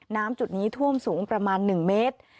จุดนี้ท่วมสูงประมาณ๑เมตร